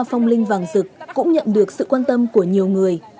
phong linh vàng rực cũng nhận được sự quan tâm của nhiều người